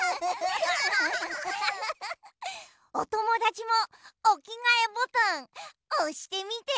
おともだちもおきがえボタンおしてみて。